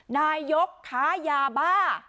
นายกค้ายาบ้า